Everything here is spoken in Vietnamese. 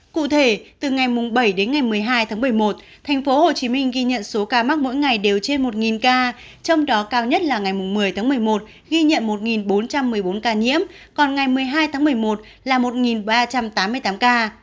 cụ thể từ ngày bảy đến ngày một mươi hai tháng một mươi một tp hcm ghi nhận số ca mắc mỗi ngày đều trên một ca trong đó cao nhất là ngày một mươi tháng một mươi một ghi nhận một bốn trăm một mươi bốn ca nhiễm còn ngày một mươi hai tháng một mươi một là một ba trăm tám mươi tám ca